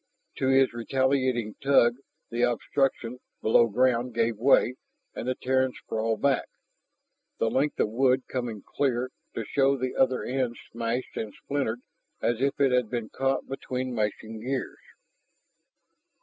To his retaliating tug the obstruction below ground gave way, and the Terran sprawled back, the length of wood coming clear, to show the other end smashed and splintered as if it had been caught between mashing gears.